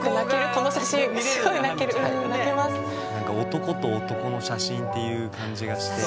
男と男の写真っていう感じがして。